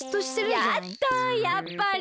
やっだやっぱり？